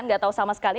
nggak tahu sama sekali